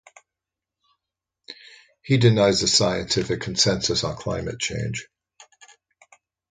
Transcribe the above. He denies the scientific consensus on climate change.